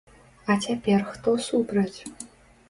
А цяпер хто супраць?